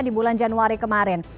di bulan januari kemarin